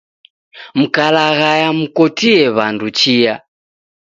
Mkalaghaya, mkotie w'andu chia